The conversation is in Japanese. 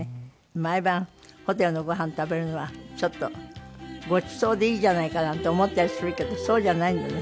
毎晩ホテルのごはん食べるのはちょっとごちそうでいいじゃないかなんて思ったりするけどそうじゃないのよね。